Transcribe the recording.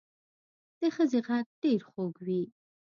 د ښځې غږ ډېر خوږ وي